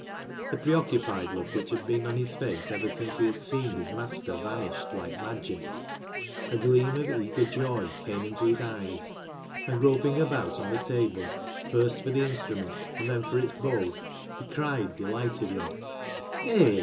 The preoccupied look which had been on his face ever since he had seen his master vanished like magic, a gleam of eager joy came into his eyes, and, groping about on the table, first for the instrument and then for its bow, he cried delightedly —" Hay